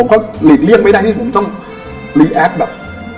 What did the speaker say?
ก็หลีกเลี่ยงไม่ได้ที่ผมต้องรีแอดแบบ